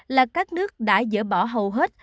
là các nước đã dỡ bỏ hầu hết